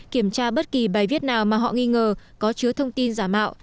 kiểm tra bất kỳ bài viết nào mà họ nghi ngờ có chứa thông tin giả mạo